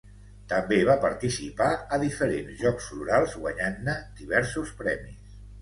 També va participar a diferents Jocs Florals, guanyant-ne diversos premis.